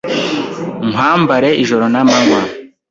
Nkwambare ijoro n’amanywa